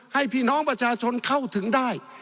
ให้พี่น้องประชาชนเข้าถึงได้